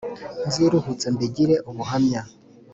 nziruhutse mbigire ubuhamya